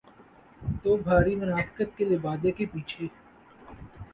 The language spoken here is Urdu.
تو بھاری منافقت کے لبادے کے پیچھے۔